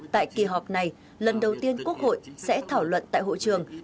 tại kỳ họp này lần đầu tiên quốc hội sẽ thảo luận tại hội trường